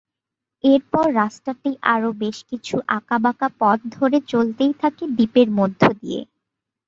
এরপর রাস্তাটি আরো বেশকিছু আঁকাবাঁকা পথ ধরে চলতেই থাকে দ্বীপের মধ্য দিয়ে।